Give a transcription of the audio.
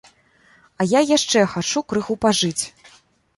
А я яшчэ хачу крыху пажыць.